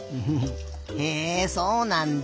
へえそうなんだ。